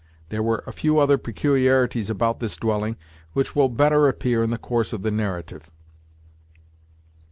There were a few other peculiarities about this dwelling, which will better appear in the course of the narrative.